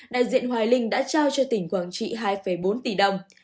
đại diện hoài linh đã trao cho tỉnh quảng trị hai bốn tỷ đồng